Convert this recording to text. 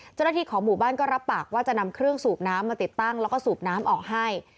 เจ้าหน้าที่ของหมู่บ้านก็รับปากว่าจะนำเครื่องสูบน้ำมาติดตั้งแล้วก็สูบน้ำออกให้